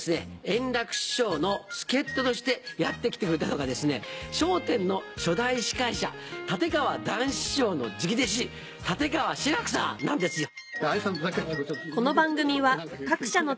円楽師匠の助っ人としてやって来てくれたのがですね『笑点』の初代司会者立川談志師匠の直弟子立川志らくさんなんですよ。